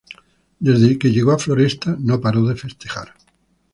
Desde que llegó a Floresta no paró de festejar.